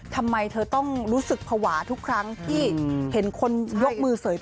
ทำไมเธอต้องรู้สึกภาวะทุกครั้งที่เห็นคนยกมือเสยตัว